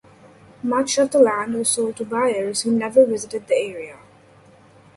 Much of the land was sold to buyers who never visited the area.